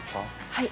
はい。